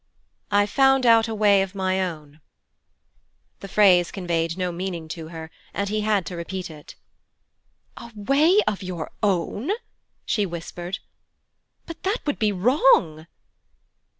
'I found out a way of my own.' The phrase conveyed no meaning to her, and he had to repeat it. 'A way of your own?' she whispered. 'But that would be wrong.'